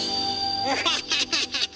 ウハハハハハ！